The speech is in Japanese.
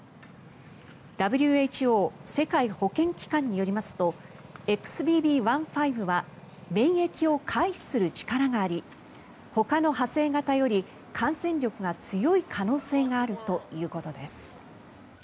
ＷＨＯ・世界保健機関によりますとＸＢＢ．１．５は免疫を回避する力がありほかの派生型より感染力が強い可能性があるということです。